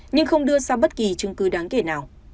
nhưng không đưa ra bất kỳ chứng cứ đáng kể nào